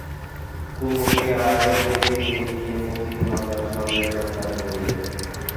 কুমুকে আড়ালে ডেকে নিয়ে গিয়ে মোতির মা তার সন্দেহের কথাটা বললে।